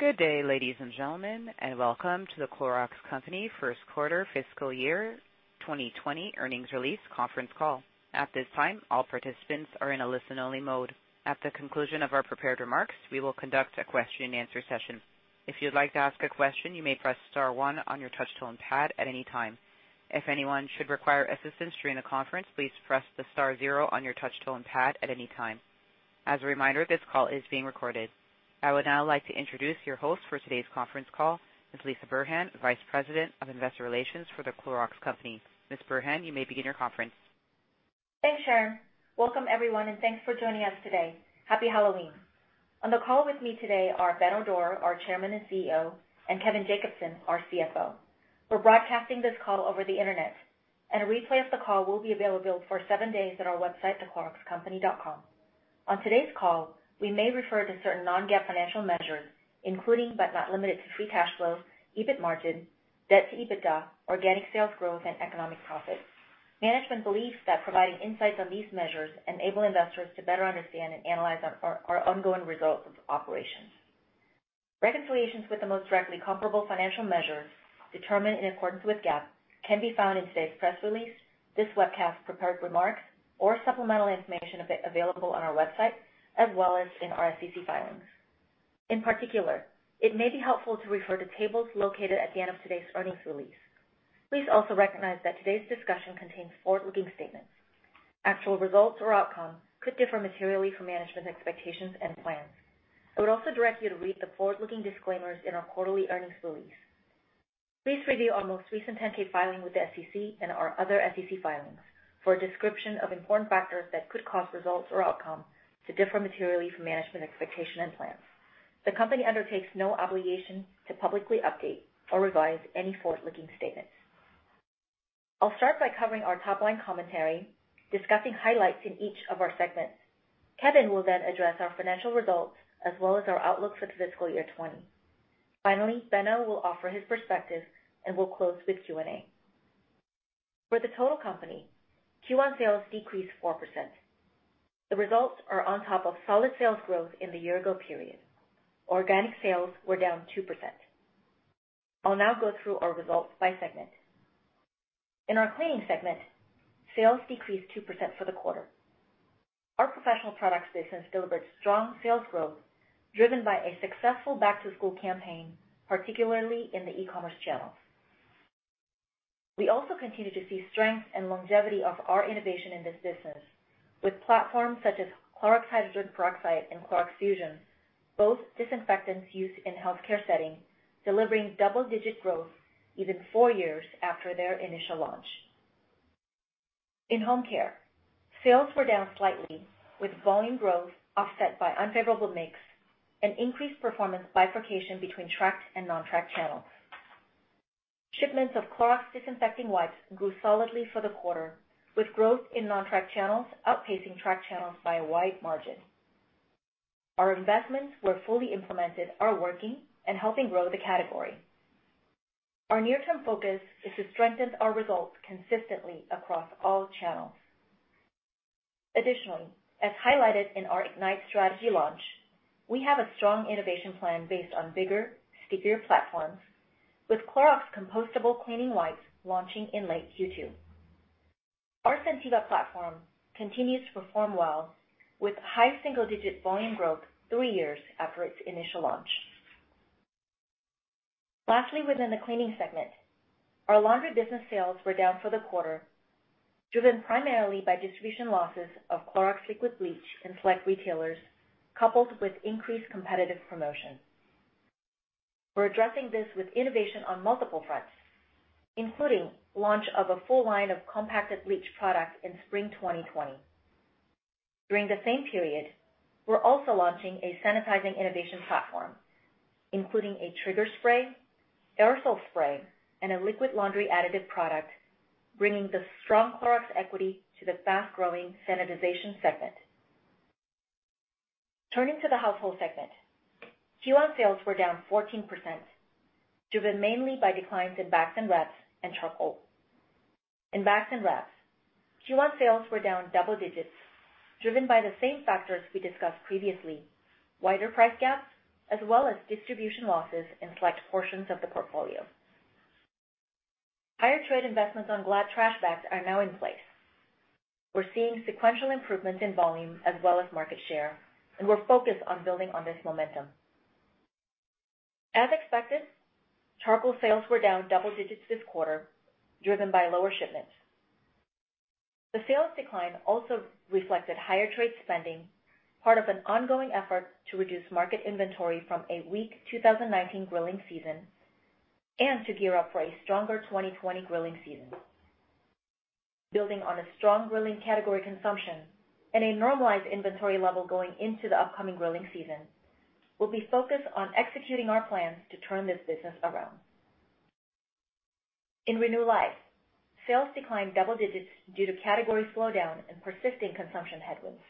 Good day, ladies and gentlemen, and welcome to the Clorox Company first quarter fiscal year 2020 earnings release conference call. At this time, all participants are in a listen-only mode. At the conclusion of our prepared remarks, we will conduct a question-and-answer session. If you'd like to ask a question, you may press star one on your touch-tone pad at any time. If anyone should require assistance during the conference, please press the star zero on your touch-tone pad at any time. As a reminder, this call is being recorded. I would now like to introduce your host for today's conference call. It's Lisah Burhan, Vice President of Investor Relations for The Clorox Company. Ms. Burhan, you may begin your conference. Thanks, Sharon. Welcome, everyone, and thanks for joining us today. Happy Halloween. On the call with me today are Benno Dorer, our Chairman and CEO, and Kevin Jacobsen, our CFO. We're broadcasting this call over the internet, and a replay of the call will be available for seven days at our website, thecloroxcompany.com. On today's call, we may refer to certain non-GAAP financial measures, including but not limited to free cash flow, EBIT margin, debt to EBITDA, organic sales growth, and economic profit. Management believes that providing insights on these measures enables investors to better understand and analyze our ongoing results of operations. Reconciliations with the most directly comparable financial measures determined in accordance with GAAP can be found in today's press release, this webcast's prepared remarks, or supplemental information available on our website, as well as in our SEC filings. In particular, it may be helpful to refer to tables located at the end of today's earnings release. Please also recognize that today's discussion contains forward-looking statements. Actual results or outcomes could differ materially from management's expectations and plans. I would also direct you to read the forward-looking disclaimers in our quarterly earnings release. Please review our most recent 10-K filing with the SEC and our other SEC filings for a description of important factors that could cause results or outcomes to differ materially from management's expectations and plans. The company undertakes no obligation to publicly update or revise any forward-looking statements. I'll start by covering our top-line commentary, discussing highlights in each of our segments. Kevin will then address our financial results as well as our outlook for the fiscal year 2020. Finally, Benno will offer his perspective and we'll close with Q&A. For the total company, Q1 sales decreased 4%. The results are on top of solid sales growth in the year-ago period. Organic sales were down 2%. I'll now go through our results by segment. In our cleaning segment, sales decreased 2% for the quarter. Our Professional Products business delivered strong sales growth driven by a successful back-to-school campaign, particularly in the e-commerce channels. We also continue to see strength and longevity of our innovation in this business, with platforms such as Clorox Hydrogen Peroxide and Clorox Fusion, both disinfectants used in healthcare settings, delivering double-digit growth even four years after their initial launch. In Home Care, sales were down slightly, with volume growth offset by unfavorable mix and increased performance bifurcation between tract and non-tract channels. Shipments of Clorox disinfecting wipes grew solidly for the quarter, with growth in non-tract channels outpacing tract channels by a wide margin. Our investments were fully implemented, are working, and helping grow the category. Our near-term focus is to strengthen our results consistently across all channels. Additionally, as highlighted in our IGNITE Strategy launch, we have a strong innovation plan based on bigger, stickier platforms, with Clorox compostable cleaning wipes launching in late Q2. Our Sentiva platform continues to perform well, with high single-digit volume growth three years after its initial launch. Lastly, within the Cleaning segment, our Laundry business sales were down for the quarter, driven primarily by distribution losses of Clorox liquid bleach in select retailers, coupled with increased competitive promotion. We're addressing this with innovation on multiple fronts, including launch of a full line of compacted bleach products in spring 2020. During the same period, we're also launching a sanitizing innovation platform, including a trigger spray, aerosol spray, and a liquid laundry additive product, bringing the strong Clorox equity to the fast-growing sanitization segment. Turning to the household segment, Q1 sales were down 14%, driven mainly by declines in Bags and Wraps and Charcoal. In Bags and Wraps, Q1 sales were down double digits, driven by the same factors we discussed previously: wider price gaps as well as distribution losses in select portions of the portfolio. Higher trade investments on Glad trash bags are now in place. We're seeing sequential improvements in volume as well as market share, and we're focused on building on this momentum. As expected, Gharcoal sales were down double digits this quarter, driven by lower shipments. The sales decline also reflected higher trade spending, part of an ongoing effort to reduce market inventory from a weak 2019 grilling season and to gear up for a stronger 2020 grilling season. Building on a strong grilling category consumption and a normalized inventory level going into the upcoming grilling season, we'll be focused on executing our plans to turn this business around. In Renew Life, sales declined double digits due to category slowdown and persisting consumption headwinds.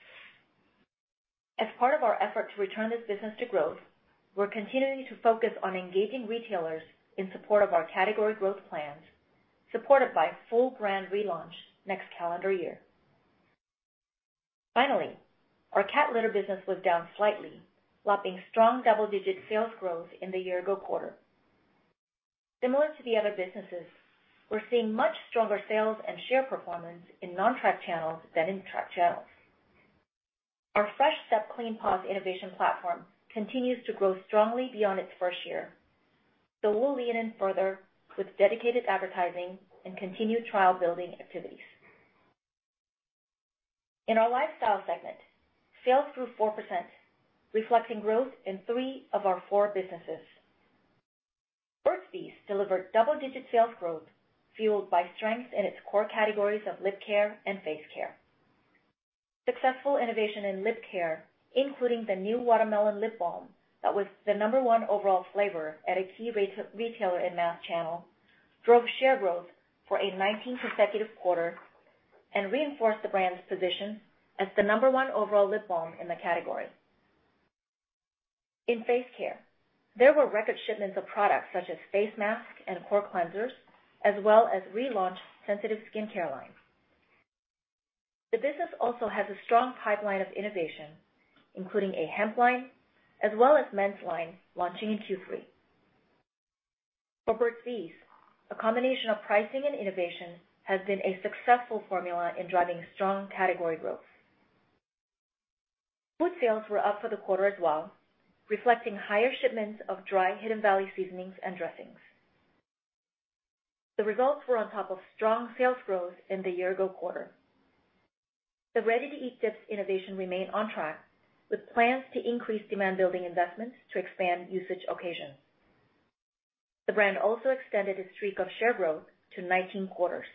As part of our effort to return this business to growth, we're continuing to focus on engaging retailers in support of our category growth plans, supported by full brand relaunch next calendar year. Finally, our cat litter business was down slightly, lapping strong double-digit sales growth in the year-ago quarter. Similar to the other businesses, we're seeing much stronger sales and share performance in non-track channels than in track channels. Our Fresh Step Clean Paws innovation platform continues to grow strongly beyond its first year, though we'll lean in further with dedicated advertising and continued trial-building activities. In our Lifestyle segment, sales grew 4%, reflecting growth in three of our four businesses. Burt's Bees delivered double-digit sales growth fueled by strength in its core categories of lip care and face care. Successful innovation in lip care, including the new watermelon lip balm that was the number one overall flavor at a key retailer in mass channel, drove share growth for a 19th consecutive quarter and reinforced the brand's position as the number one overall lip balm in the category. In face care, there were record shipments of products such as face masks and core cleansers, as well as relaunched sensitive skincare lines. The business also has a strong pipeline of innovation, including a hemp line as well as men's line launching in Q3. For Burt's Bees, a combination of pricing and innovation has been a successful formula in driving strong category growth. Food sales were up for the quarter as well, reflecting higher shipments of dry Hidden Valley seasonings and dressings. The results were on top of strong sales growth in the year-ago quarter. The ready-to-eat dips innovation remained on track, with plans to increase demand-building investments to expand usage occasions. The brand also extended its streak of share growth to 19 quarters.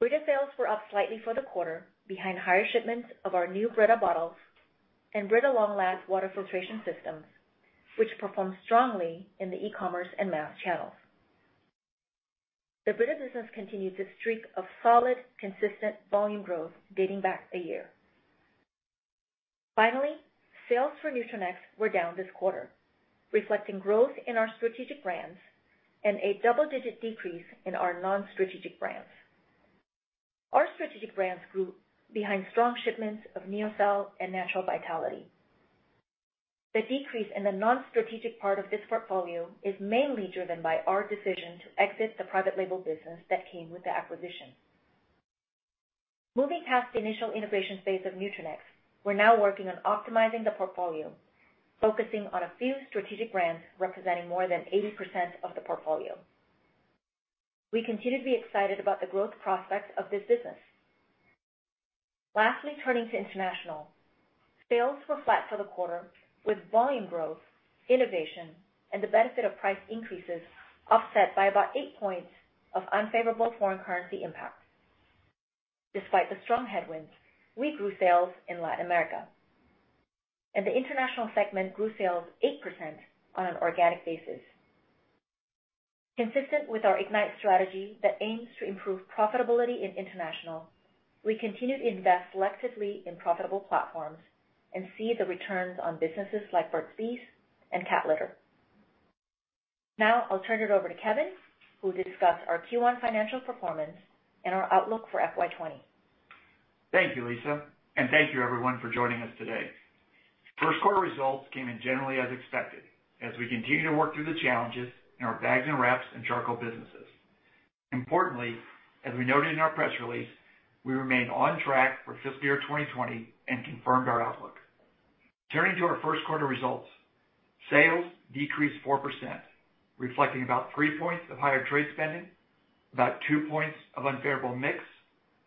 Brita sales were up slightly for the quarter, behind higher shipments of our new Brita bottles and Brita long-last Water Filtration systems, which performed strongly in the e-commerce and mass channels. The Brita business continued its streak of solid, consistent volume growth dating back a year. Finally, sales for Nutranext were down this quarter, reflecting growth in our strategic brands and a double-digit decrease in our non-strategic brands. Our strategic brands grew behind strong shipments of Neocell and Natural Vitality. The decrease in the non-strategic part of this portfolio is mainly driven by our decision to exit the private label business that came with the acquisition. Moving past the initial integration phase of Nutranext, we're now working on optimizing the portfolio, focusing on a few strategic brands representing more than 80% of the portfolio. We continue to be excited about the growth prospects of this business. Lastly, turning to international, sales were flat for the quarter, with volume growth, innovation, and the benefit of price increases offset by about 8 points of unfavorable foreign currency impact. Despite the strong headwinds, we grew sales in Latin America, and the International segment grew sales 8% on an organic basis. Consistent with our IGNITE Strategy that aims to improve profitability in international, we continue to invest selectively in profitable platforms and see the returns on businesses like Burt's Bees and cat litter. Now, I'll turn it over to Kevin, who will discuss our Q1 financial performance and our outlook for FY 2020. Thank you, Lisah, and thank you, everyone, for joining us today. First quarter results came in generally as expected, as we continue to work through the challenges in our Bags and Wraps and Charcoal businesses. Importantly, as we noted in our press release, we remained on track for fiscal year 2020 and confirmed our outlook. Turning to our first quarter results, sales decreased 4%, reflecting about three points of higher trade spending, about two points of unfavorable mix,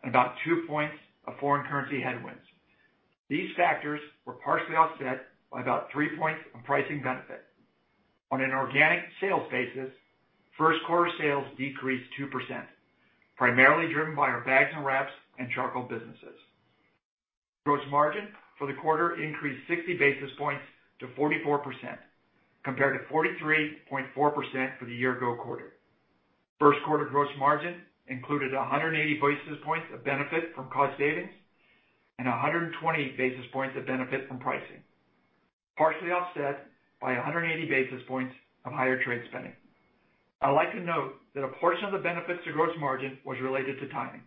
and about two points of foreign currency headwinds. These factors were partially offset by about three points of pricing benefit. On an organic sales basis, first quarter sales decreased 2%, primarily driven by our Bags and Wraps and Charcoal businesses. Gross margin for the quarter increased 60 basis points to 44%, compared to 43.4% for the year-ago quarter. First quarter gross margin included 180 basis points of benefit from cost savings and 120 basis points of benefit from pricing, partially offset by 180 basis points of higher trade spending. I'd like to note that a portion of the benefits to gross margin was related to timing.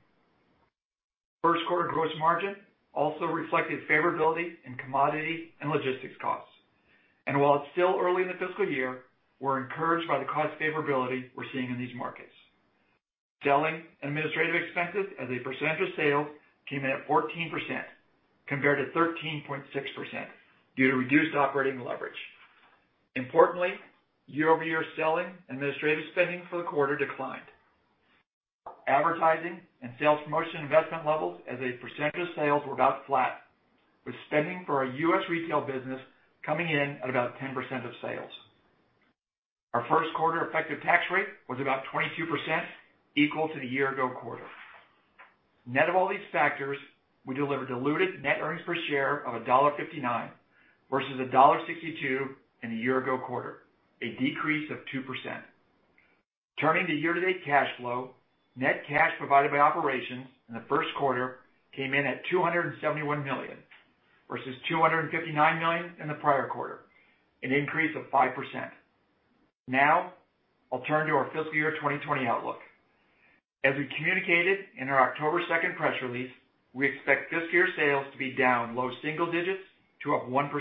First quarter gross margin also reflected favorability in commodity and logistics costs. While it's still early in the fiscal year, we're encouraged by the cost favorability we're seeing in these markets. Selling and administrative expenses as a percentage of sales came in at 14%, compared to 13.6%, due to reduced operating leverage. Importantly, year-over-year selling and administrative spending for the quarter declined. Advertising and sales promotion investment levels as a percentage of sales were about flat, with spending for our US retail business coming in at about 10% of sales. Our first quarter effective tax rate was about 22%, equal to the year-ago quarter. Net of all these factors, we delivered diluted net earnings per share of $1.59 versus $1.62 in the year-ago quarter, a decrease of 2%. Turning to year-to-date cash flow, net cash provided by operations in the first quarter came in at $271 million versus $259 million in the prior quarter, an increase of 5%. Now, I'll turn to our fiscal year 2020 outlook. As we communicated in our October 2nd press release, we expect fiscal year sales to be down low single-digits to up 1%,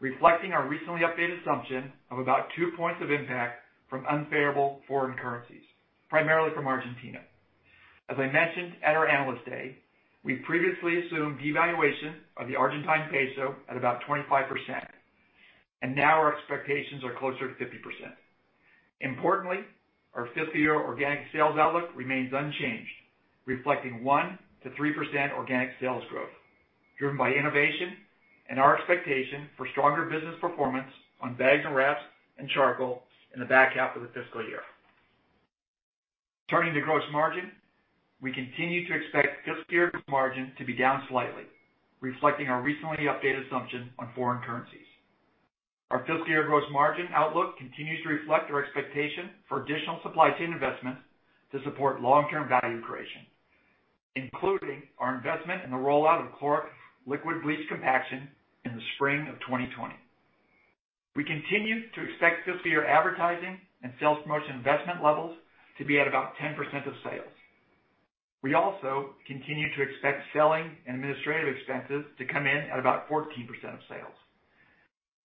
reflecting our recently updated assumption of about 2 points of impact from unfavorable foreign currencies, primarily from Argentina. As I mentioned at our analyst day, we previously assumed devaluation of the Argentine peso at about 25%, and now our expectations are closer to 50%. Importantly, our fiscal year organic sales outlook remains unchanged, reflecting 1%-3% organic sales growth, driven by innovation and our expectation for stronger business performance on Bags and Wraps and Charcoal in the back half of the fiscal year. Turning to gross margin, we continue to expect fiscal year gross margin to be down slightly, reflecting our recently updated assumption on foreign currencies. Our fiscal year gross margin outlook continues to reflect our expectation for additional supply chain investments to support long-term value creation, including our investment in the rollout of Clorox liquid bleach compaction in the spring of 2020. We continue to expect fiscal year advertising and sales promotion investment levels to be at about 10% of sales. We also continue to expect selling and administrative expenses to come in at about 14% of sales.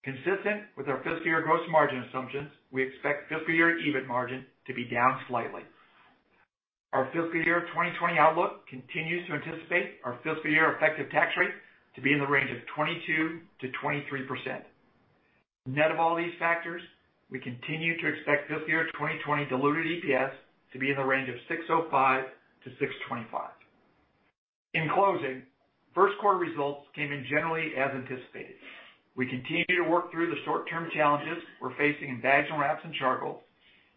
Consistent with our fiscal year gross margin assumptions, we expect fiscal year EBIT margin to be down slightly. Our fiscal year 2020 outlook continues to anticipate our fiscal year effective tax rate to be in the range of 22%-23%. Net of all these factors, we continue to expect fiscal year 2020 diluted EPS to be in the range of $6.05-$6.25. In closing, first quarter results came in generally as anticipated. We continue to work through the short-term challenges we're facing in bags and wraps and Charcoal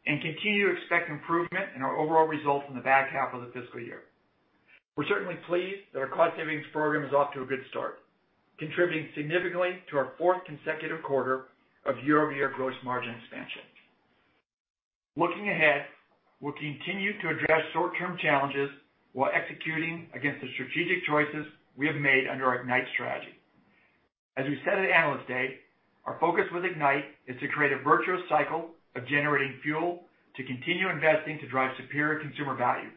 and continue to expect improvement in our overall results in the back half of the fiscal year. We're certainly pleased that our cost savings program is off to a good start, contributing significantly to our fourth consecutive quarter of year-over-year gross margin expansion. Looking ahead, we'll continue to address short-term challenges while executing against the strategic choices we have made under our IGNITE Strategy. As we said at analyst day, our focus with IGNITE is to create a virtuous cycle of generating fuel to continue investing to drive superior consumer value.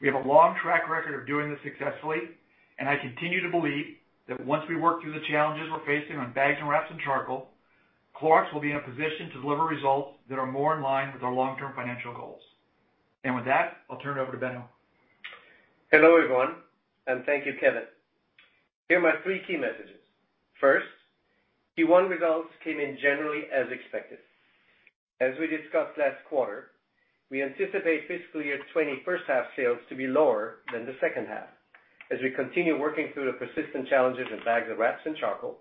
We have a long track record of doing this successfully, and I continue to believe that once we work through the challenges we're facing on Bags and Wraps and Charcoal, Clorox will be in a position to deliver results that are more in line with our long-term financial goals. And with that, I'll turn it over to Benno. Hello everyone, and thank you, Kevin. Here are my three key messages. First, Q1 results came in generally as expected. As we discussed last quarter, we anticipate fiscal year 2021 first half sales to be lower than the second half as we continue working through the persistent challenges in Bags and Wraps and Charcoal.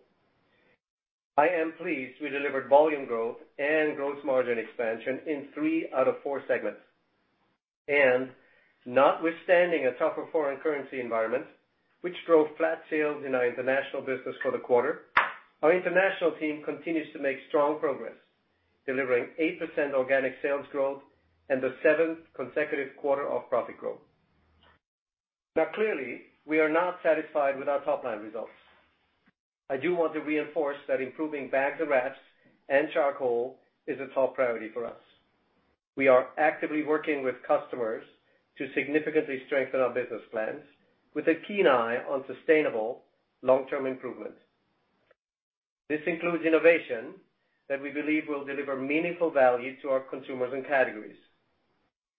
I am pleased we delivered volume growth and gross margin expansion in three out of four segments, and notwithstanding a tougher foreign currency environment, which drove flat sales in our international business for the quarter, our international team continues to make strong progress, delivering 8% organic sales growth and the seventh consecutive quarter of profit growth. Now, clearly, we are not satisfied with our top line results. I do want to reinforce that improving bags and wraps and Charcoal is a top priority for us. We are actively working with customers to significantly strengthen our business plans with a keen eye on sustainable long-term improvement. This includes innovation that we believe will deliver meaningful value to our consumers and categories.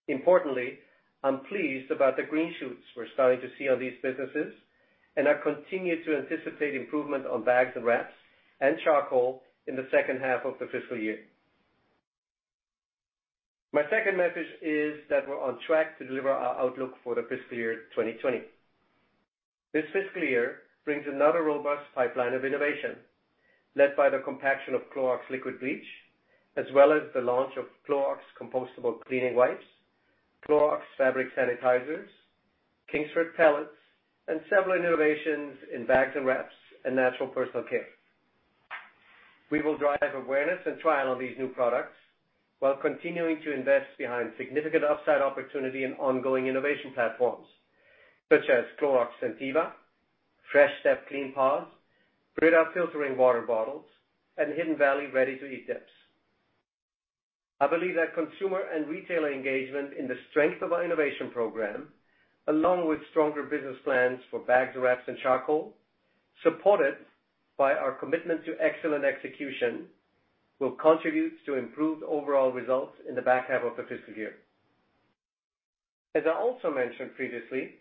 Importantly, I'm pleased about the green shoots we're starting to see on these businesses and are continuing to anticipate improvement on Bags and Wraps and Charcoal in the second half of the fiscal year. My second message is that we're on track to deliver our outlook for the fiscal year 2020. This fiscal year brings another robust pipeline of innovation led by the compaction of Clorox liquid bleach, as well as the launch of Clorox compostable cleaning wipes, Clorox fabric sanitizers, Kingsford pellets, and several innovations in Bags and Wraps and Natural Personal Care. We will drive awareness and trial on these new products while continuing to invest behind significant upside opportunity in ongoing innovation platforms such as Clorox Sentiva, Fresh Step Clean Paws, Brita filtering water bottles, and Hidden Valley ready-to-eat dips. I believe that consumer and retailer engagement in the strength of our innovation program, along with stronger business plans for Bags and Wraps and Charcoal, supported by our commitment to excellent execution, will contribute to improved overall results in the back half of the fiscal year. As I also mentioned previously,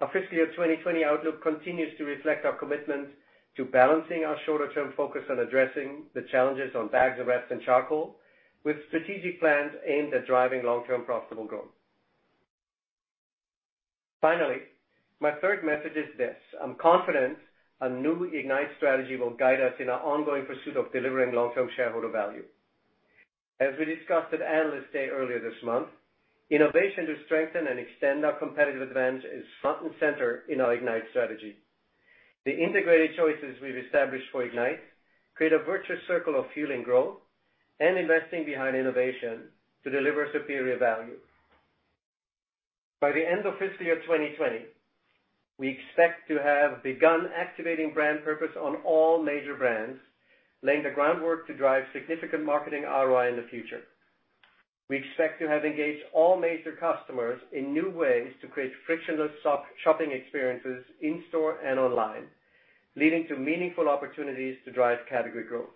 our fiscal year 2020 outlook continues to reflect our commitment to balancing our shorter-term focus on addressing the challenges on Bags and Wraps and Charcoal with strategic plans aimed at driving long-term profitable growth. Finally, my third message is this: I'm confident a new IGNITE Strategy will guide us in our ongoing pursuit of delivering long-term shareholder value. As we discussed at analyst day earlier this month, innovation to strengthen and extend our competitive advantage is front and center in our IGNITE Strategy. The integrated choices we've established for IGNITE create a virtuous circle of fueling growth and investing behind innovation to deliver superior value. By the end of fiscal year 2020, we expect to have begun activating brand purpose on all major brands, laying the groundwork to drive significant marketing ROI in the future. We expect to have engaged all major customers in new ways to create frictionless shopping experiences in store and online, leading to meaningful opportunities to drive category growth.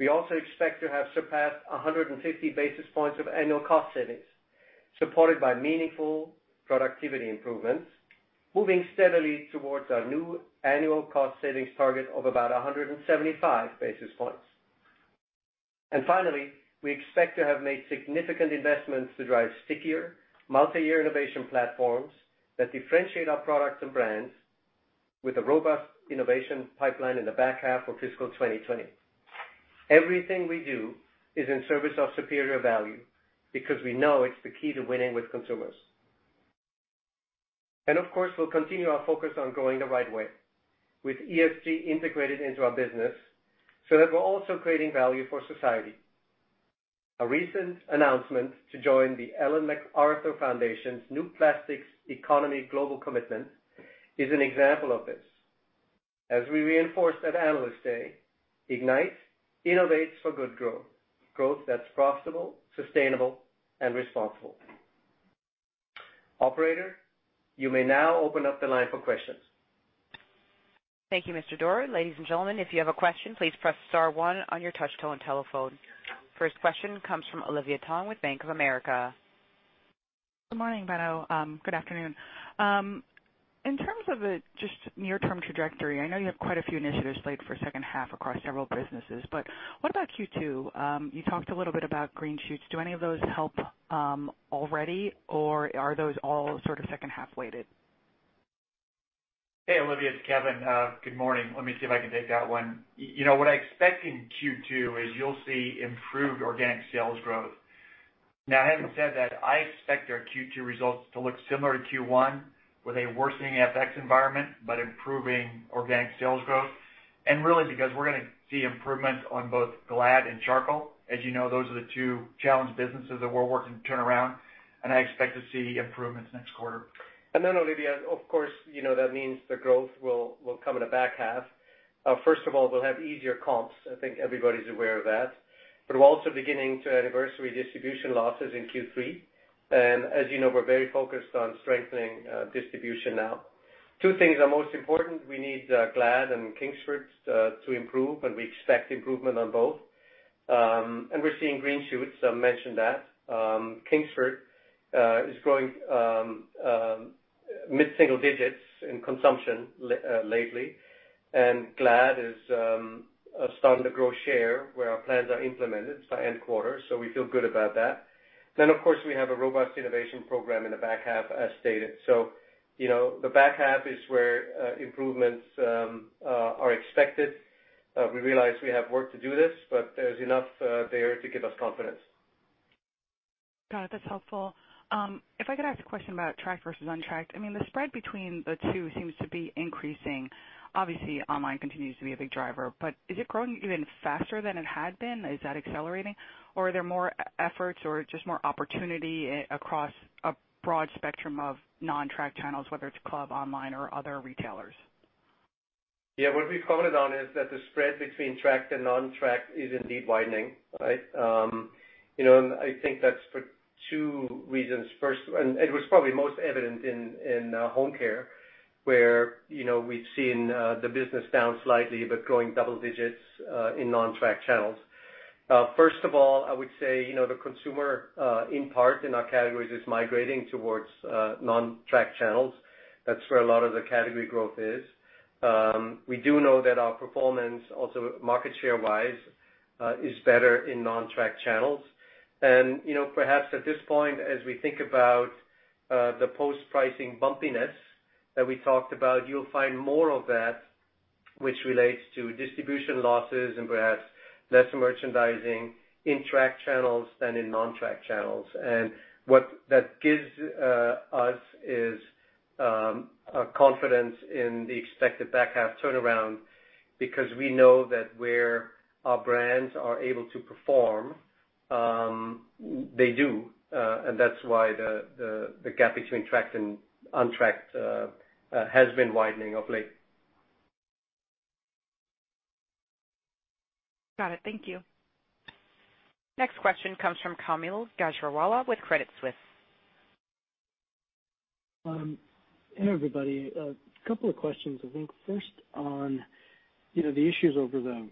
We also expect to have surpassed 150 basis points of annual cost savings, supported by meaningful productivity improvements, moving steadily towards our new annual cost savings target of about 175 basis points. And finally, we expect to have made significant investments to drive stickier multi-year innovation platforms that differentiate our products and brands with a robust innovation pipeline in the back half of fiscal 2020. Everything we do is in service of superior value because we know it's the key to winning with consumers. And of course, we'll continue our focus on going the right way with ESG integrated into our business so that we're also creating value for society. A recent announcement to join the Ellen MacArthur Foundation's New Plastics Economy Global Commitment is an example of this. As we reinforced at analyst day, IGNITE innovates for good growth, growth that's profitable, sustainable, and responsible. Operator, you may now open up the line for questions. Thank you, Mr. Dorer. Ladies and gentlemen, if you have a question, please press star one on your touch-tone telephone. First question comes from Olivia Tong with Bank of America. Good morning, Benno. Good afternoon. In terms of the just near-term trajectory, I know you have quite a few initiatives laid for second half across several businesses, but what about Q2? You talked a little bit about green shoots. Do any of those help already, or are those all sort of second half weighted? Hey, Olivia, it's Kevin. Good morning. Let me see if I can take that one. What I expect in Q2 is you'll see improved organic sales growth. Now, having said that, I expect our Q2 results to look similar to Q1 with a worsening FX environment but improving organic sales growth. And really, because we're going to see improvements on both Glad and Charcoal. As you know, those are the two challenge businesses that we're working to turn around, and I expect to see improvements next quarter. And then, Olivia, of course, that means the growth will come in the back half. First of all, we'll have easier comps. I think everybody's aware of that. But we're also beginning to anniversary distribution losses in Q3. And as you know, we're very focused on strengthening distribution now. Two things are most important. We need Glad and Kingsford to improve, and we expect improvement on both. And we're seeing green shoots. I mentioned that. Kingsford is growing mid-single digits in consumption lately. And Glad is starting to grow share where our plans are implemented by end quarter, so we feel good about that. Then, of course, we have a robust innovation program in the back half, as stated. So the back half is where improvements are expected. We realize we have work to do this, but there's enough there to give us confidence. Got it. That's helpful. If I could ask a question about track versus untracked, I mean, the spread between the two seems to be increasing. Obviously, online continues to be a big driver, but is it growing even faster than it had been? Is that accelerating? Or are there more efforts or just more opportunity across a broad spectrum of non-track channels, whether it's club, online, or other retailers? Yeah. What we've commented on is that the spread between tracked and non-tracked is indeed widening, right? And I think that's for two reasons. First, and it was probably most evident in Home Care where we've seen the business down slightly but growing double digits in non-track channels. First of all, I would say the consumer, in part, in our categories is migrating towards non-track channels. That's where a lot of the category growth is. We do know that our performance, also market share-wise, is better in non-track channels. And perhaps at this point, as we think about the post-pricing bumpiness that we talked about, you'll find more of that, which relates to distribution losses and perhaps less merchandising in track channels than in non-track channels. And what that gives us is confidence in the expected back half turnaround because we know that where our brands are able to perform, they do. And that's why the gap between tracked and untracked has been widening of late. Got it. Thank you. Next question comes from Kaumil Gajrawala with Credit Suisse. Hey, everybody. A couple of questions, I think. First, on the issues over the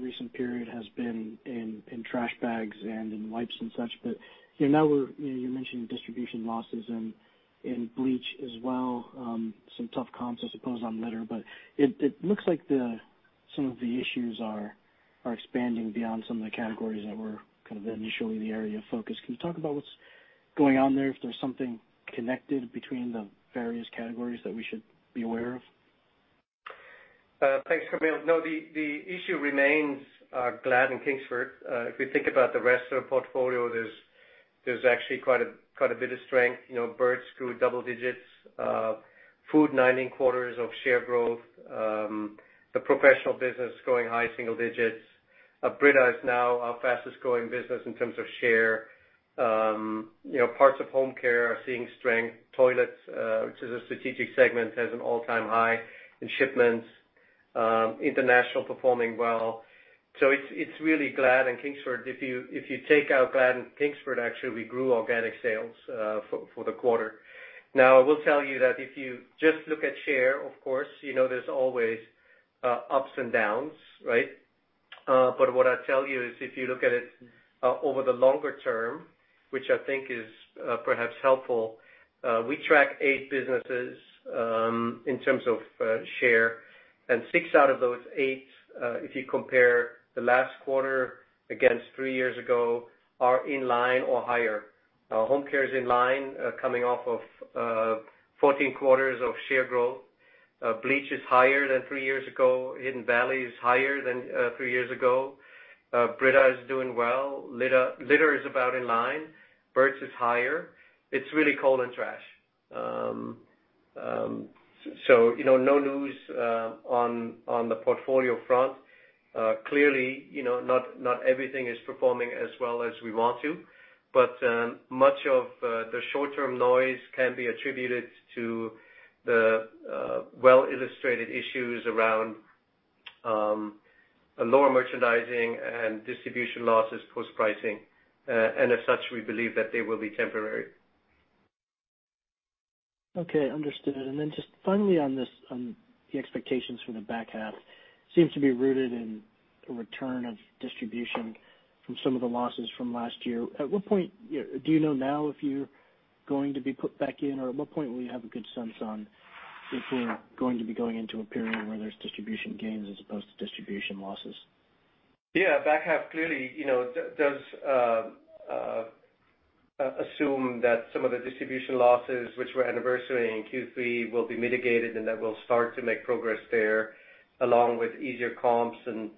recent period has been in trash bags and in wipes and such, but now you're mentioning distribution losses and bleach as well. Some tough comps, I suppose, on litter, but it looks like some of the issues are expanding beyond some of the categories that were kind of initially the area of focus. Can you talk about what's going on there, if there's something connected between the various categories that we should be aware of? Thanks, Kaumil. No, the issue remains Glad and Kingsford. If we think about the rest of the portfolio, there's actually quite a bit of strength. Birds grew double-digits. Food, nineteen quarters of share growth. The professional business is going high single digits. Brita is now our fastest-growing business in terms of share. Parts of Home Care are seeing strength. Toilets, which is a strategic segment, has an all-time high in shipments. International performing well. So it's really Glad and Kingsford. If you take out Glad and Kingsford, actually, we grew organic sales for the quarter. Now, I will tell you that if you just look at share, of course, there's always ups and downs, right? But what I tell you is if you look at it over the longer term, which I think is perhaps helpful, we track eight businesses in terms of share. And six out of those eight, if you compare the last quarter against three years ago, are in line or higher. Home care is in line coming off of 14 quarters of share growth. Bleach is higher than three years ago. Hidden Valley is higher than three years ago. Brita is doing well. Litter is about in line. Birds is higher. It's really coal and trash. So no news on the portfolio front. Clearly, not everything is performing as well as we want to, but much of the short-term noise can be attributed to the well-illustrated issues around lower merchandising and distribution losses post-pricing. And as such, we believe that they will be temporary. Okay. Understood. And then just finally on the expectations for the back half, seems to be rooted in a return of distribution from some of the losses from last year. At what point do you know now if you're going to be put back in, or at what point will you have a good sense on if we're going to be going into a period where there's distribution gains as opposed to distribution losses? Yeah. Back half clearly does assume that some of the distribution losses, which were anniversary in Q3, will be mitigated and that we'll start to make progress there along with easier comps and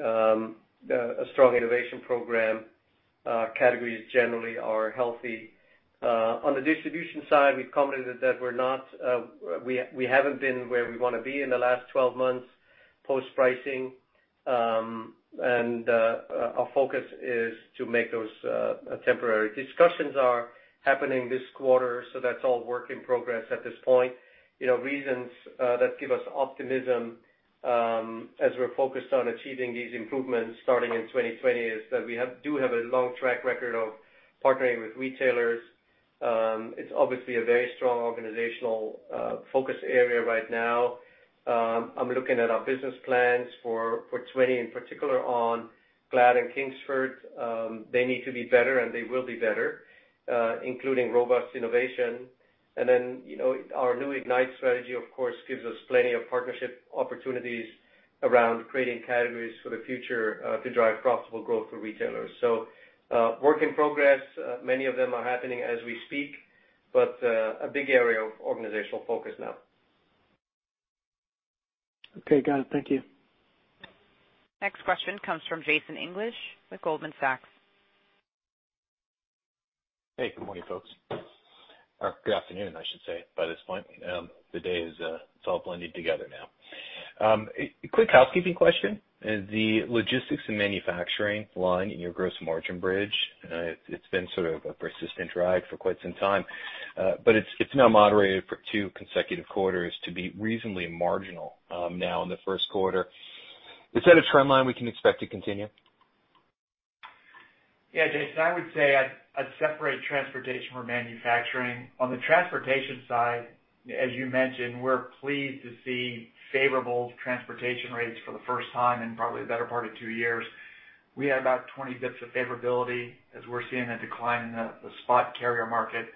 a strong innovation program. Categories generally are healthy. On the distribution side, we've commented that we haven't been where we want to be in the last 12 months post-pricing. And our focus is to make those temporary. Discussions are happening this quarter, so that's all work in progress at this point. Reasons that give us optimism as we're focused on achieving these improvements starting in 2020 is that we do have a long track record of partnering with retailers. It's obviously a very strong organizational focus area right now. I'm looking at our business plans for 2020 in particular on Glad and Kingsford. They need to be better, and they will be better, including robust innovation. And then our new IGNITE Strategy, of course, gives us plenty of partnership opportunities around creating categories for the future to drive profitable growth for retailers. So work in progress. Many of them are happening as we speak, but a big area of organizational focus now. Okay. Got it. Thank you. Next question comes from Jason English with Goldman Sachs. Hey. Good morning, folks. Or good afternoon, I should say, by this point. The day is all blended together now. Quick housekeeping question. The logistics and manufacturing line in your gross margin bridge, it's been sort of a persistent drag for quite some time, but it's now moderated for two consecutive quarters to be reasonably marginal now in the first quarter. Is that a trend line we can expect to continue? Yeah, Jason. I would say I'd separate transportation from manufacturing. On the transportation side, as you mentioned, we're pleased to see favorable transportation rates for the first time in probably the better part of two years. We had about 20 dips of favorability as we're seeing a decline in the spot carrier market.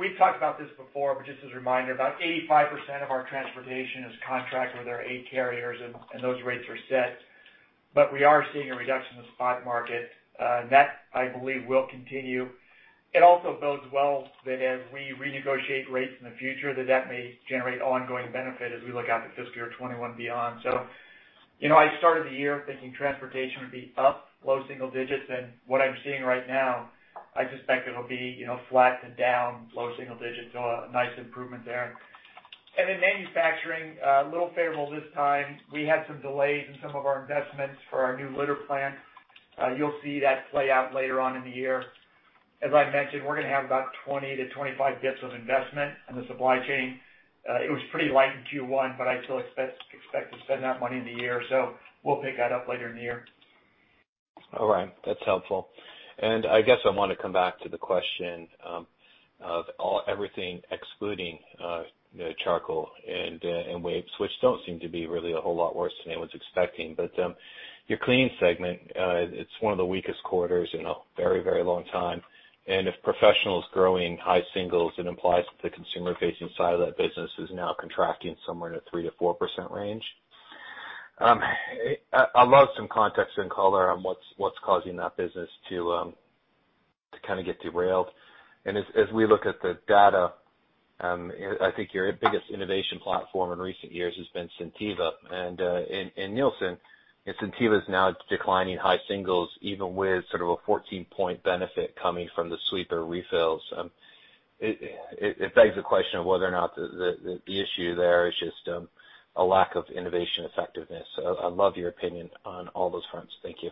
We've talked about this before, but just as a reminder, about 85% of our transportation is contracted with our eight carriers, and those rates are set. But we are seeing a reduction in the spot market. That, I believe, will continue. It also bodes well that as we renegotiate rates in the future, that that may generate ongoing benefit as we look at the fiscal year 2021 and beyond. So I started the year thinking transportation would be up, low single-digits, and what I'm seeing right now, I suspect it'll be flat to down, low single-digits, so a nice improvement there. And then manufacturing, a little favorable this time. We had some delays in some of our investments for our new litter plant. You'll see that play out later on in the year. As I mentioned, we're going to have about 20 to 25 dips of investment in the supply chain. It was pretty light in Q1, but I still expect to spend that money in the year, so we'll pick that up later in the year. All right. That's helpful. And I guess I want to come back to the question of everything excluding Charcoal and waves, which don't seem to be really a whole lot worse than I was expecting. But your Cleaning segment, it's one of the weakest quarters in a very, very long time. And if professionals growing high singles, it implies that the consumer-facing side of that business is now contracting somewhere in a 3 to 4 percent range. I'll add some context and color on what's causing that business to kind of get derailed. And as we look at the data, I think your biggest innovation platform in recent years has been Sentiva. And in Nielsen, Sentiva is now declining high singles even with sort of a 14-point benefit coming from the sweeper refills. It begs the question of whether or not the issue there is just a lack of innovation effectiveness. So I'd love your opinion on all those fronts. Thank you.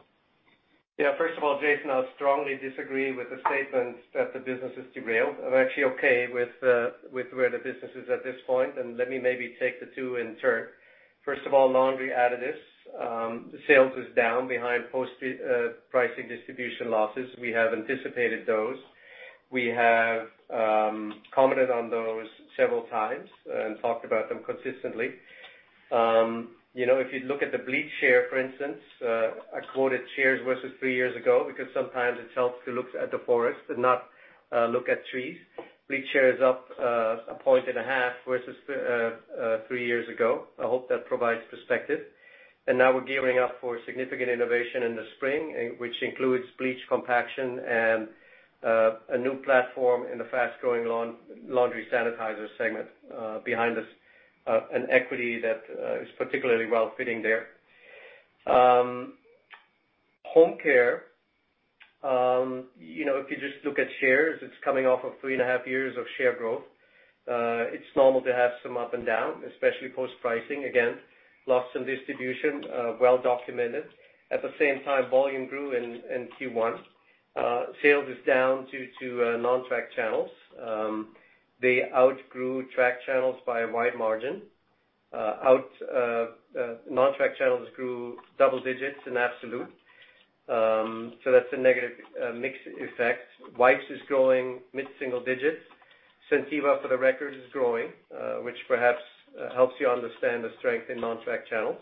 Yeah. First of all, Jason, I'll strongly disagree with the statement that the business has derailed. I'm actually okay with where the business is at this point, and let me maybe take the two in turn. First of all, Laundry additives. Sales is down behind post-pricing distribution losses. We have anticipated those. We have commented on those several times and talked about them consistently. If you look at the bleach share, for instance, I quoted shares versus three years ago because sometimes it's helpful to look at the forest and not look at trees. Bleach share is up a point and a half versus three years ago. I hope that provides perspective. And now we're gearing up for significant innovation in the spring, which includes bleach compaction and a new platform in the fast-growing Laundry sanitizer segment behind us, an equity that is particularly well-fitting there. Home Care, if you just look at shares, it's coming off of three and a half years of share growth. It's normal to have some up and down, especially post-pricing. Again, loss in distribution, well-documented. At the same time, volume grew in Q1. Sales is down due to non-track channels. They outgrew track channels by a wide margin. Non-track channels grew double digits in absolute. So that's a negative mixed effect. Wipes is growing mid-single digits. Sentiva, for the record, is growing, which perhaps helps you understand the strength in non-track channels.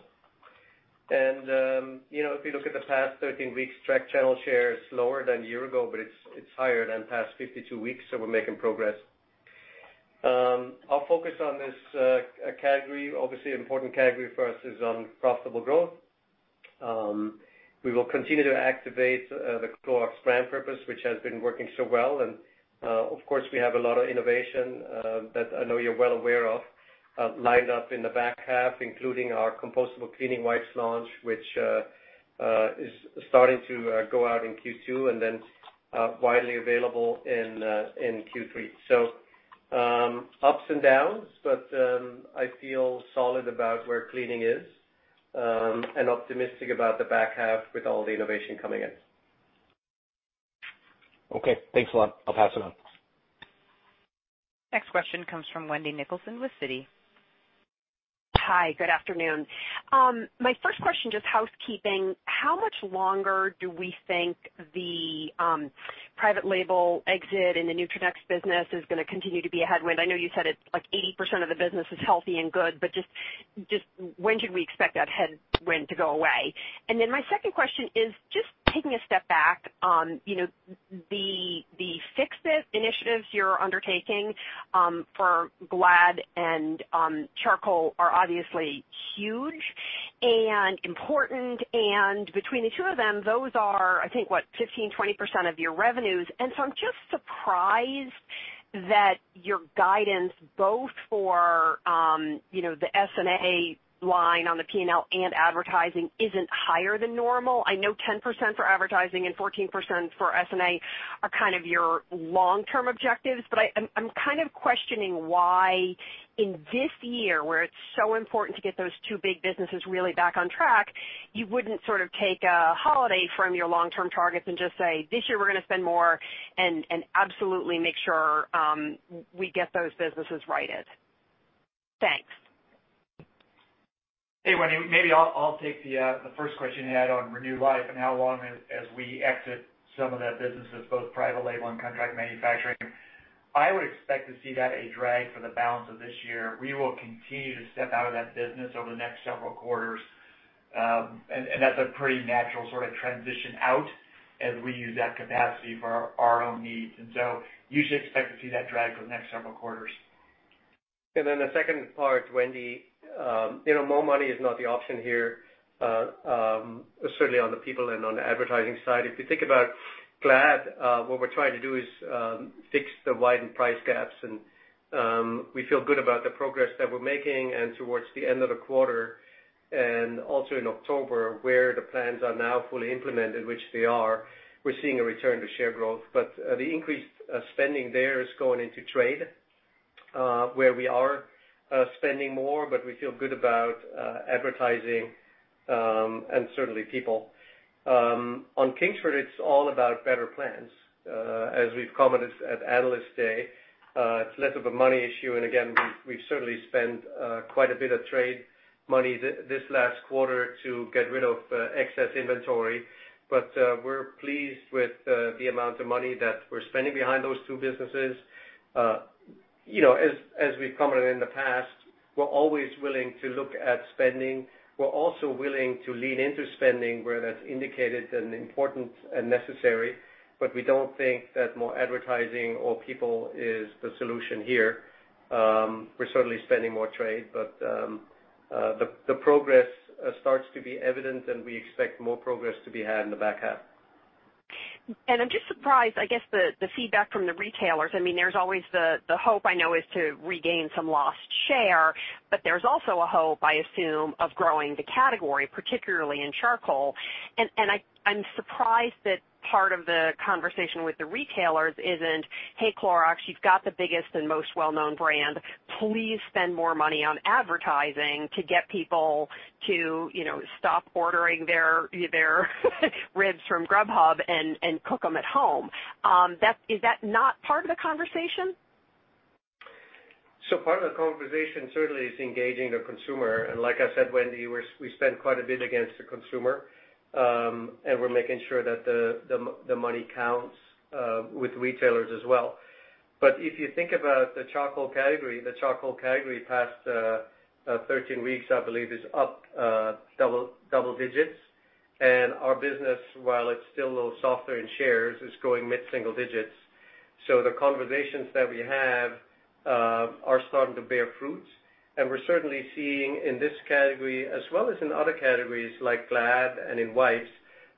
And if you look at the past 13 weeks, track channel share is slower than a year ago, but it's higher than past 52 weeks, so we're making progress. I'll focus on this category. Obviously, an important category for us is on profitable growth. We will continue to activate the Clorox brand purpose, which has been working so well. And of course, we have a lot of innovation that I know you're well aware of lined up in the back half, including our compostable cleaning wipes launch, which is starting to go out in Q2 and then widely available in Q3. So ups and downs, but I feel solid about where cleaning is and optimistic about the back half with all the innovation coming in. Okay. Thanks a lot. I'll pass it on. Next question comes from Wendy Nicholson with Citi. Hi. Good afternoon. My first question, just housekeeping, how much longer do we think the private label exit in the Nutranext business is going to continue to be a headwind? I know you said it's like 80% of the business is healthy and good, but just when should we expect that headwind to go away? And then my second question is just taking a step back, the fix-it initiatives you're undertaking for Glad and Charcoal are obviously huge and important. And between the two of them, those are, I think, what, 15, 20 percent of your revenues. And so I'm just surprised that your guidance, both for the S&A line on the P&L and advertising, isn't higher than normal. I know 10% for advertising and 14% for S&A are kind of your long-term objectives, but I'm kind of questioning why in this year, where it's so important to get those two big businesses really back on track, you wouldn't sort of take a holiday from your long-term targets and just say, "This year, we're going to spend more and absolutely make sure we get those businesses righted." Thanks. Hey, Wendy. Maybe I'll take the first question you had on RenewLife and how long as we exit some of that business, both private label and contract manufacturing. I would expect to see that a drag for the balance of this year. We will continue to step out of that business over the next several quarters. And that's a pretty natural sort of transition out as we use that capacity for our own needs. And so you should expect to see that drag for the next several quarters. And then the second part, Wendy, more money is not the option here, certainly on the people and on the advertising side. If you think about Glad, what we're trying to do is fix the widened price gaps. And we feel good about the progress that we're making. And towards the end of the quarter and also in October, where the plans are now fully implemented, which they are, we're seeing a return to share growth. But the increased spending there is going into trade, where we are spending more, but we feel good about advertising and certainly people. On Kingsford, it's all about better plans. As we've commented at analyst day, it's less of a money issue. And again, we've certainly spent quite a bit of trade money this last quarter to get rid of excess inventory. But we're pleased with the amount of money that we're spending behind those two businesses. As we've commented in the past, we're always willing to look at spending. We're also willing to lean into spending where that's indicated and important and necessary, but we don't think that more advertising or people is the solution here. We're certainly spending more trade, but the progress starts to be evident, and we expect more progress to be had in the back half. And I'm just surprised, I guess, the feedback from the retailers. I mean, there's always the hope, I know, is to regain some lost share, but there's also a hope, I assume, of growing the category, particularly in Charcoal. And I'm surprised that part of the conversation with the retailers isn't, "Hey, Clorox, you've got the biggest and most well-known brand. Please spend more money on advertising to get people to stop ordering their ribs from Grubhub and cook them at home." Is that not part of the conversation? So part of the conversation certainly is engaging the consumer. And like I said, Wendy, we spend quite a bit against the consumer, and we're making sure that the money counts with retailers as well. But if you think about the Charcoal category, the Charcoal category past 13 weeks, I believe, is up double digits. And our business, while it's still a little softer in shares, is growing mid-single digits. So the conversations that we have are starting to bear fruit. And we're certainly seeing in this category, as well as in other categories like Glad and in wipes,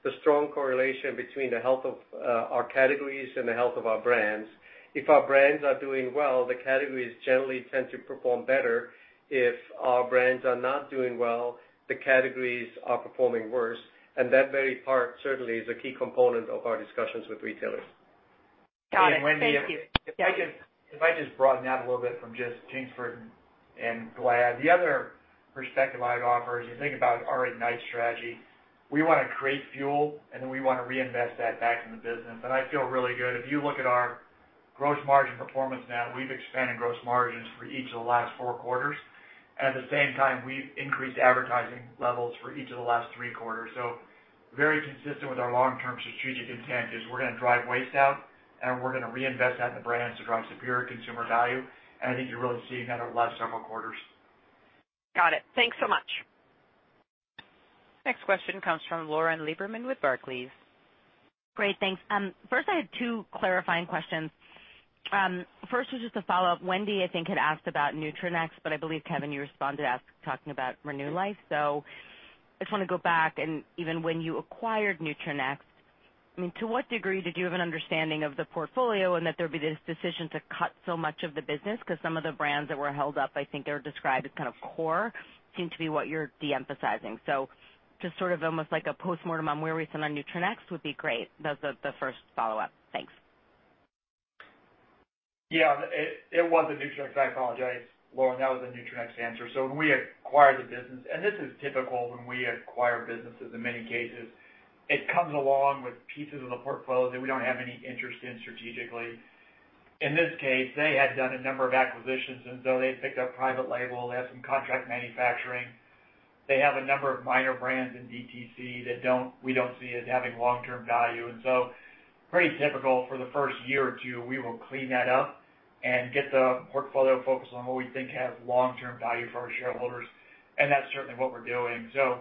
the strong correlation between the health of our categories and the health of our brands. If our brands are doing well, the categories generally tend to perform better. If our brands are not doing well, the categories are performing worse. And that very part certainly is a key component of our discussions with retailers. Got it. Thank you. If I just broaden that a little bit from just Kingsford and Glad, the other perspective I'd offer is you think about our IGNITE Strategy. We want to create fuel, and then we want to reinvest that back in the business. And I feel really good. If you look at our gross margin performance now, we've expanded gross margins for each of the last four quarters. And at the same time, we've increased advertising levels for each of the last three quarters. So very consistent with our long-term strategic intent is we're going to drive waste out, and we're going to reinvest that in the brands to drive superior consumer value. And I think you're really seeing that over the last several quarters. Got it. Thanks so much. Next question comes from Lauren Lieberman with Barclays. Great. Thanks. First, I had two clarifying questions. First was just a follow-up. Wendy, I think, had asked about Nutranext, but I believe Kevin, you responded talking about RenewLife. So I just want to go back. And even when you acquired Nutranext, I mean, to what degree did you have an understanding of the portfolio and that there would be this decision to cut so much of the business? Because some of the brands that were held up, I think, that were described as kind of core seem to be what you're de-emphasizing. So just sort of almost like a post-mortem on where we stand on Nutranext would be great. That was the first follow-up. Thanks. Yeah. It wasn't Nutrinex. I apologize, Lauren. That was a Nutrinex answer. So when we acquired the business, and this is typical when we acquire businesses in many cases, it comes along with pieces of the portfolio that we don't have any interest in strategically. In this case, they had done a number of acquisitions, and so they had picked up private label. They had some contract manufacturing. They have a number of minor brands in DTC that we don't see as having long-term value. And so pretty typical for the first year or two, we will clean that up and get the portfolio focused on what we think has long-term value for our shareholders. And that's certainly what we're doing. So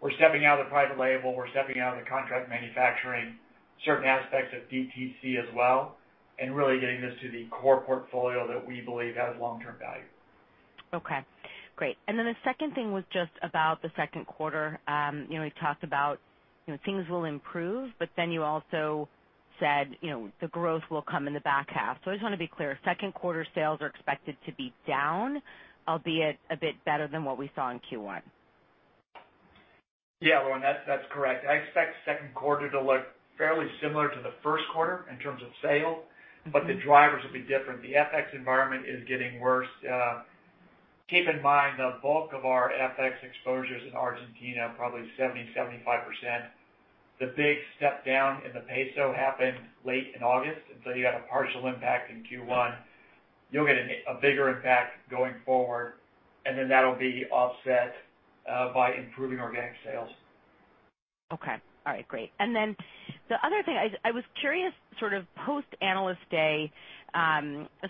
we're stepping out of the private label. We're stepping out of the contract manufacturing, certain aspects of DTC as well, and really getting this to the core portfolio that we believe has long-term value. Great. The second thing was just about the second quarter. We talked about things will improve, but then you also said the growth will come in the back half. So I just want to be clear. Second quarter sales are expected to be down, albeit a bit better than what we saw in Q1. Yeah, Lauren, that's correct. I expect second quarter to look fairly similar to the first quarter in terms of sales, but the drivers will be different. The FX environment is getting worse. Keep in mind the bulk of our FX exposure is in Argentina, probably 70%-75%. The big step down in the peso happened late in August, and so you had a partial impact in Q1. You'll get a bigger impact going forward, and then that'll be offset by improving organic sales. Okay. All right. Great. And then the other thing, I was curious sort of post-analyst day, I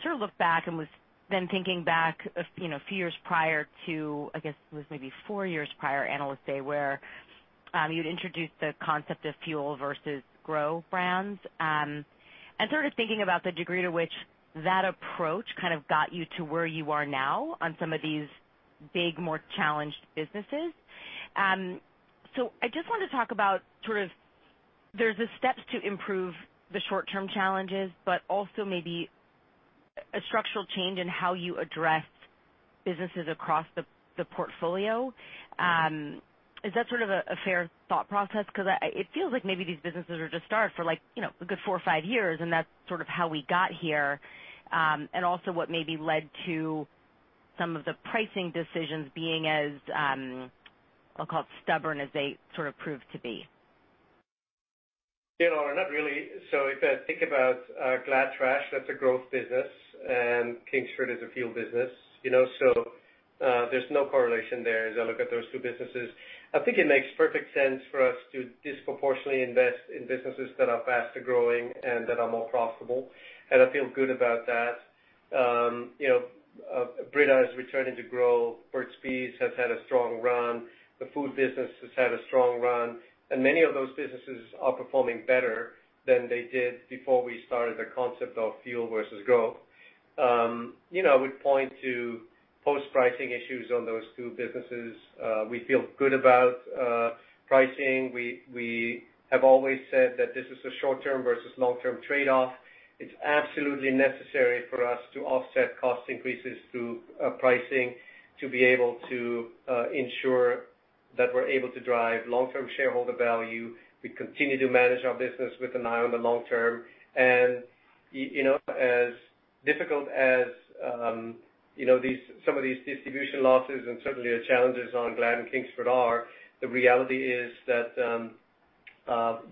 sort of looked back and was then thinking back a few years prior to, I guess it was maybe four years prior analyst day where you'd introduced the concept of fuel versus grow brands. And sort of thinking about the degree to which that approach kind of got you to where you are now on some of these big, more challenged businesses. So I just want to talk about sort of there's the steps to improve the short-term challenges, but also maybe a structural change in how you address businesses across the portfolio. Is that sort of a fair thought process? Because it feels like maybe these businesses were just starved for a good four or five years, and that's sort of how we got here. Also, what maybe led to some of the pricing decisions being as, I'll call it, stubborn as they sort of proved to be. Yeah, Lauren, not really. So if I think about Glad, trash, that's a growth business, and Kingsford is a fuel business. So there's no correlation there as I look at those two businesses. I think it makes perfect sense for us to disproportionately invest in businesses that are faster growing and that are more profitable. And I feel good about that. Brita has returned into growth. Burt's Bees has had a strong run. The food business has had a strong run. And many of those businesses are performing better than they did before we started the concept of fuel versus growth. I would point to post-pricing issues on those two businesses. We feel good about pricing. We have always said that this is a short-term versus long-term trade-off. It's absolutely necessary for us to offset cost increases through pricing to be able to ensure that we're able to drive long-term shareholder value. We continue to manage our business with an eye on the long term. And as difficult as some of these distribution losses and certainly the challenges on Glad and Kingsford are, the reality is that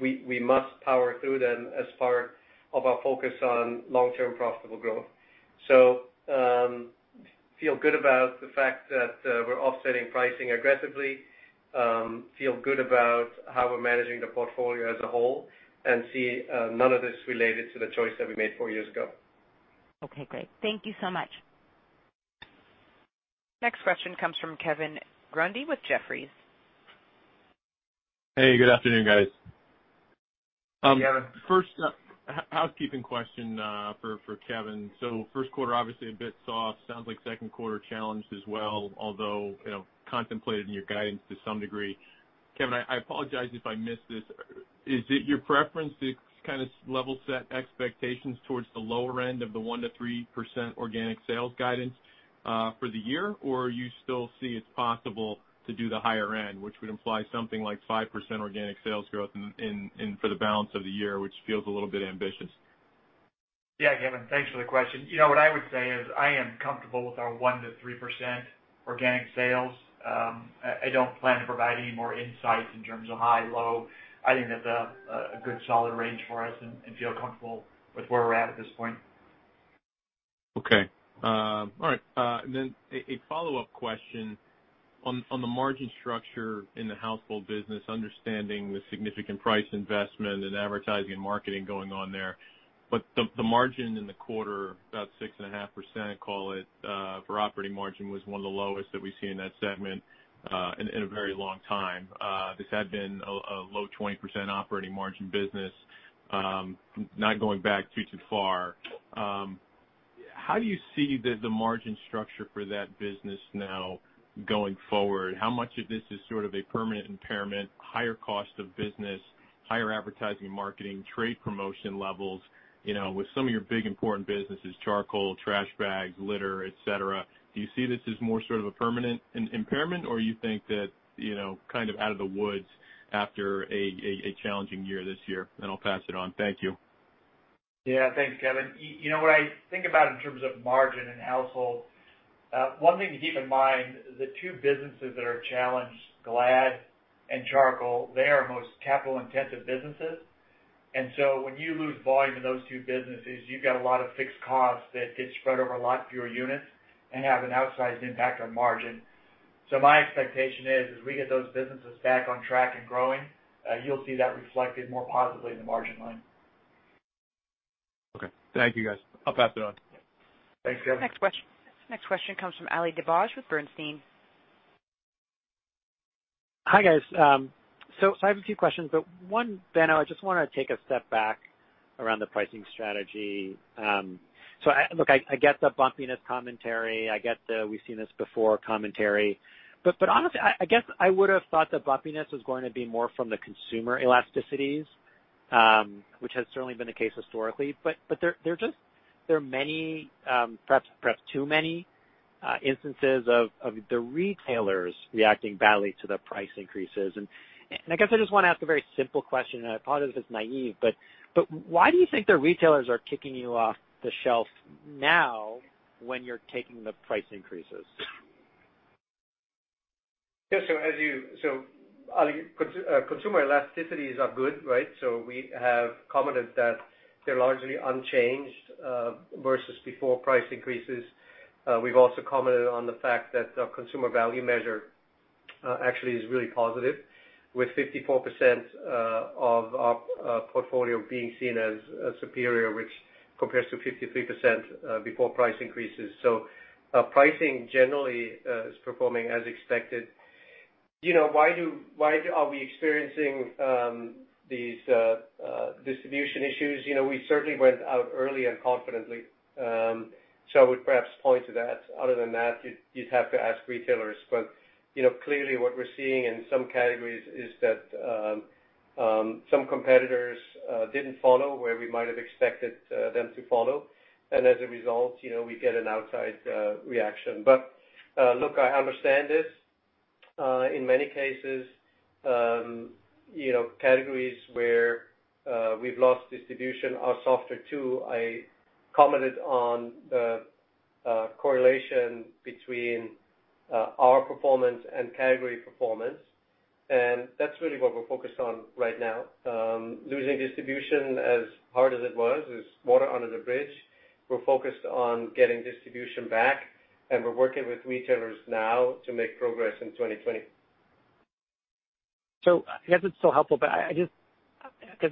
we must power through them as part of our focus on long-term profitable growth. So feel good about the fact that we're offsetting pricing aggressively. Feel good about how we're managing the portfolio as a whole and see none of this related to the choice that we made four years ago. Okay. Great. Thank you so much. Next question comes from Kevin Grundy with Jefferies. Hey, good afternoon, guys. Kevin. First housekeeping question for Kevin. So first quarter, obviously a bit soft. Sounds like second quarter challenged as well, although contemplated in your guidance to some degree. Kevin, I apologize if I missed this. Is it your preference to kind of level set expectations towards the lower end of the 1 to 3 percent organic sales guidance for the year, or you still see it's possible to do the higher end, which would imply something like 5% organic sales growth for the balance of the year, which feels a little bit ambitious? Yeah, Kevin. Thanks for the question. What I would say is I am comfortable with our 1 to 3 percent organic sales. I don't plan to provide any more insights in terms of high, low. I think that's a good solid range for us and feel comfortable with where we're at at this point. Okay. All right. And then a follow-up question on the margin structure in the Household business, understanding the significant price investment and advertising and marketing going on there. But the margin in the quarter, about 6.5%, call it, for operating margin was one of the lowest that we've seen in that segment in a very long time. This had been a low 20% operating margin business, not going back too far. How do you see the margin structure for that business now going forward? How much of this is sort of a permanent impairment, higher cost of business, higher advertising and marketing, trade promotion levels with some of your big important businesses, Charcoal, trash bags, litter, etc.? Do you see this as more sort of a permanent impairment, or you think that kind of out of the woods after a challenging year this year? And I'll pass it on. Thank you. Yeah. Thanks, Kevin. You know what I think about in terms of margin and household, one thing to keep in mind, the two businesses that are challenged, Glad and Charcoal, they are most capital-intensive businesses. And so when you lose volume in those two businesses, you've got a lot of fixed costs that get spread over a lot fewer units and have an outsized impact on margin. So my expectation is, as we get those businesses back on track and growing, you'll see that reflected more positively in the margin line. Okay. Thank you, guys. I'll pass it on. Thanks, Kevin. Next question comes from Ali Dabadj with Bernstein. Hi, guys. I have a few questions, but one, Benno, I just want to take a step back around the pricing strategy. I get the bumpiness commentary. I get the, "We've seen this before," commentary. Honestly, I guess I would have thought the bumpiness was going to be more from the consumer elasticities, which has certainly been the case historically. There are many, perhaps too many instances of the retailers reacting badly to the price increases. I just want to ask a very simple question, and I apologize if it's naive, but why do you think the retailers are kicking you off the shelf now when you're taking the price increases? Yeah. So consumer elasticities are good, right? So we have commented that they're largely unchanged versus before price increases. We've also commented on the fact that our consumer value measure actually is really positive, with 54% of our portfolio being seen as superior, which compares to 53% before price increases. So pricing generally is performing as expected. Why are we experiencing these distribution issues? We certainly went out early and confidently. So I would perhaps point to that. Other than that, you'd have to ask retailers. But clearly, what we're seeing in some categories is that some competitors didn't follow where we might have expected them to follow. And as a result, we get an outside reaction. But look, I understand this. In many cases, categories where we've lost distribution are softer too. I commented on the correlation between our performance and category performance. That's really what we're focused on right now. Losing distribution, as hard as it was, is water under the bridge. We're focused on getting distribution back, and we're working with retailers now to make progress in 2020. So, I guess it's still helpful, but I guess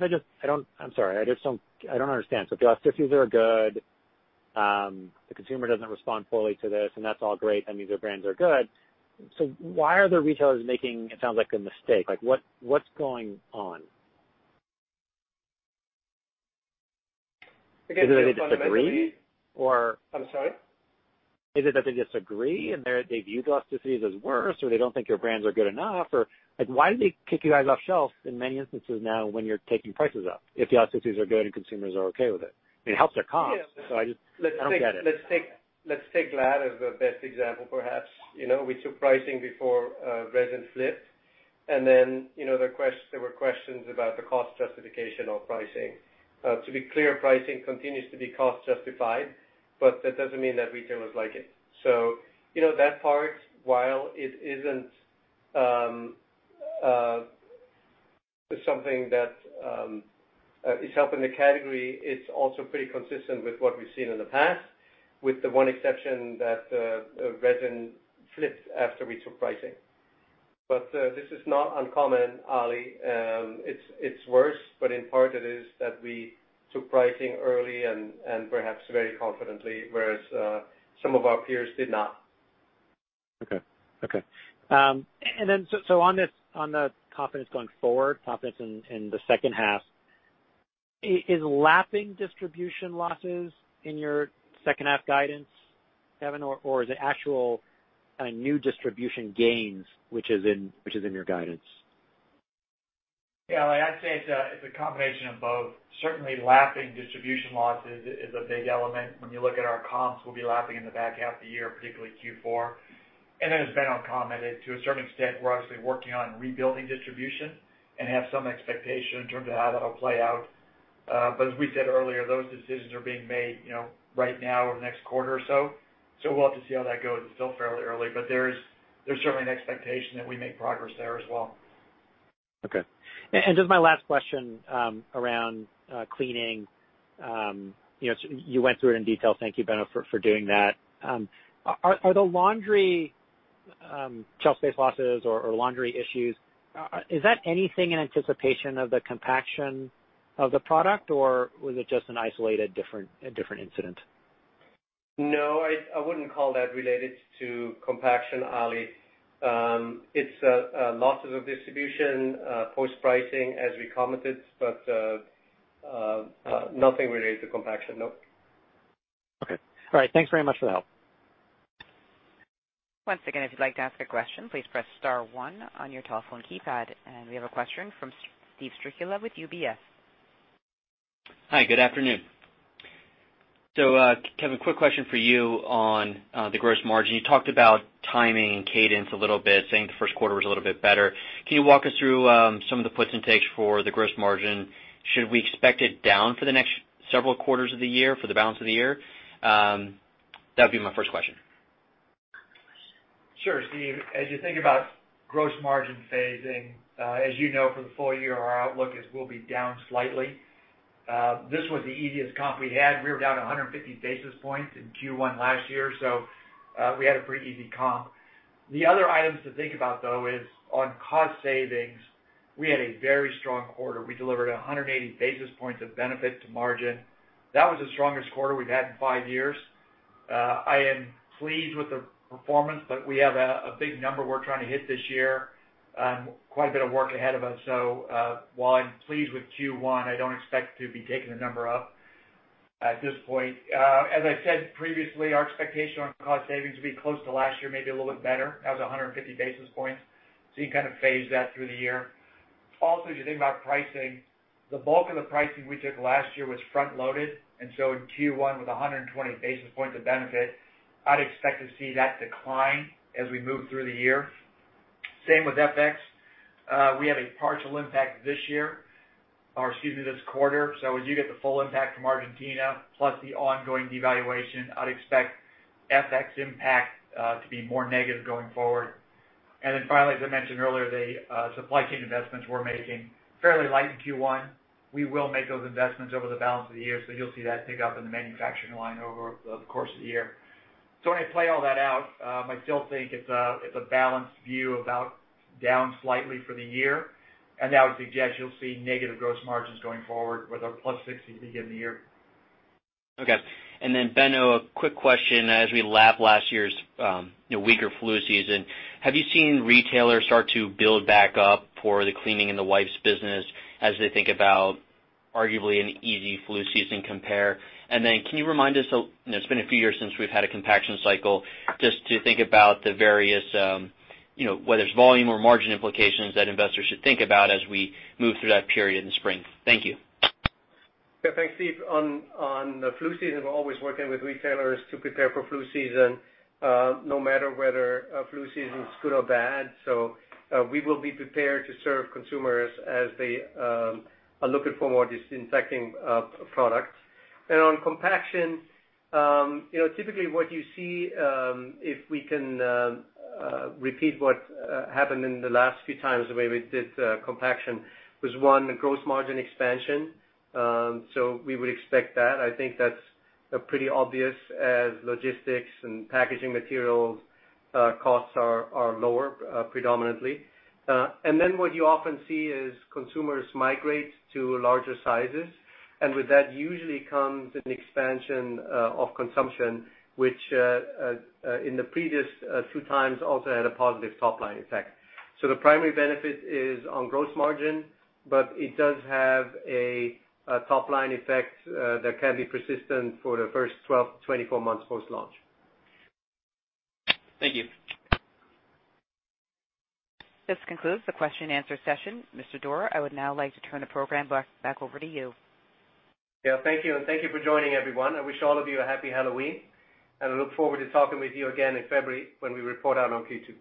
I just. I'm sorry. I just don't understand. So if the elasticities are good, the consumer doesn't respond poorly to this, and that's all great, that means their brands are good. So why are the retailers making, it sounds like, a mistake? What's going on? Is it that they disagree, or? I'm sorry? Is it that they disagree, and they view the elasticities as worse, or they don't think your brands are good enough? Why do they kick you guys off shelf in many instances now when you're taking prices up if the elasticities are good and consumers are okay with it? I mean, it helps their costs. So I don't get it. Let's take Glad as the best example, perhaps. We took pricing before resin flipped. Then there were questions about the cost justification of pricing. To be clear, pricing continues to be cost-justified, but that doesn't mean that retailers like it. That part, while it isn't something that is helping the category, it's also pretty consistent with what we've seen in the past, with the one exception that resin flipped after we took pricing. This is not uncommon, Ali. It's worse, but in part, it is that we took pricing early and perhaps very confidently, whereas some of our peers did not. Okay. And then so on the confidence going forward, confidence in the second half, is lapping distribution losses in your second-half guidance, Kevin, or is it actual new distribution gains, which is in your guidance? Yeah, I'd say it's a combination of both. Certainly, lapping distribution losses is a big element. When you look at our comps, we'll be lapping in the back half of the year, particularly Q4. And then it's been uncommented. To a certain extent, we're obviously working on rebuilding distribution and have some expectation in terms of how that'll play out. As we said earlier, those decisions are being made right now or next quarter or so. We'll have to see how that goes. It's still fairly early, but there's certainly an expectation that we make progress there as well. Okay. And just my last question around cleaning, you went through it in detail. Thank you, Benno, for doing that. Are the Laundry shelf space losses or Laundry issues, is that anything in anticipation of the compaction of the product, or was it just an isolated different incident? No, I wouldn't call that related to compaction, Ali. It's losses of distribution post-pricing, as we commented, but nothing related to compaction, no. Okay. All right. Thanks very much for the help. Once again, if you'd like to ask a question, please press star one on your telephone keypad. And we have a question from Steve Strycula with UBS. Hi, good afternoon. So Kevin, quick question for you on the gross margin. You talked about timing and cadence a little bit, saying the first quarter was a little bit better. Can you walk us through some of the puts and takes for the gross margin? Should we expect it down for the next several quarters of the year for the balance of the year? That would be my first question. Sure. As you think about gross margin phasing, as you know, for the full year, our outlook is we'll be down slightly. This was the easiest comp we had. We were down 150 basis points in Q1 last year, so we had a pretty easy comp. The other items to think about, though, is on cost savings. We had a very strong quarter. We delivered 180 basis points of benefit to margin. That was the strongest quarter we've had in five years. I am pleased with the performance, but we have a big number we're trying to hit this year and quite a bit of work ahead of us. So while I'm pleased with Q1, I don't expect to be taking the number up at this point. As I said previously, our expectation on cost savings will be close to last year, maybe a little bit better. That was 150 basis points. So you can kind of phase that through the year. Also, as you think about pricing, the bulk of the pricing we took last year was front-loaded. And so in Q1, with 120 basis points of benefit, I'd expect to see that decline as we move through the year. Same with FX. We have a partial impact this year or, excuse me, this quarter. So as you get the full impact from Argentina, plus the ongoing devaluation, I'd expect FX impact to be more negative going forward. And then finally, as I mentioned earlier, the supply chain investments we're making fairly light in Q1. We will make those investments over the balance of the year, so you'll see that pick up in the manufacturing line over the course of the year. So when I play all that out, I still think it's a balanced view about down slightly for the year. And I would suggest you'll see negative gross margins going forward with a plus 60 at the beginning of the year. Okay. And then, Benno, a quick question. As we lapped last year's weaker flu season, have you seen retailers start to build back up for the cleaning and the wipes business as they think about arguably an easy flu season compare? And then can you remind us—it's been a few years since we've had a compaction cycle—just to think about the various, whether it's volume or margin implications that investors should think about as we move through that period in the spring? Thank you. Yeah. Thanks, Steve. On the flu season, we're always working with retailers to prepare for flu season no matter whether flu season's good or bad. So we will be prepared to serve consumers as they are looking for more disinfecting products. And on compaction, typically what you see, if we can repeat what happened in the last few times the way we did compaction, was one, the gross margin expansion. So we would expect that. I think that's pretty obvious as logistics and packaging material costs are lower predominantly. And then what you often see is consumers migrate to larger sizes. And with that usually comes an expansion of consumption, which in the previous two times also had a positive top-line effect. So the primary benefit is on gross margin, but it does have a top-line effect that can be persistent for the first 12 to 24 months post-launch. Thank you. This concludes the question-and-answer session. Mr. Dorer, I would now like to turn the program back over to you. Yeah. Thank you. And thank you for joining, everyone. I wish all of you a happy Halloween, and I look forward to talking with you again in February when we report out on Q2.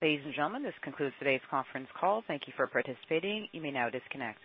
Ladies and gentlemen, this concludes today's conference call. Thank you for participating. You may now disconnect.